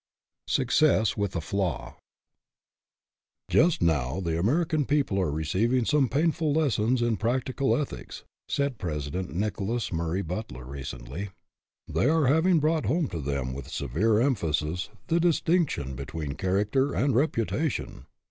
SUCCESS WITH A FLAW UST now the American people are receiving some painful lessons in practical ethics," said President Nicholas Murray Butler, recently. " They are having brought home to them, with severe emphasis, the distinction between character and reputation.